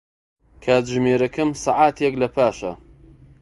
کاتژمێرەکەم سەعاتێک لەپاشە.